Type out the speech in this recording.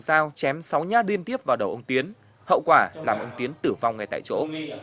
dao chém sáu nha điên tiếp vào đầu ông tiến hậu quả làm ông tiến tử vong ngay tại chỗ